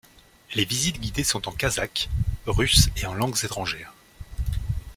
Les visites guidées sont en kazakh, russe et en langues étrangères.